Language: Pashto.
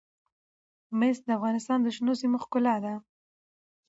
مس د افغانستان د شنو سیمو ښکلا ده.